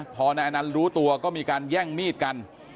พอนายอนันต์รู้ตัวก็มีการแย่งมีดกัน